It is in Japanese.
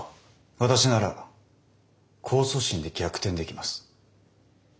私なら控訴審で逆転できます。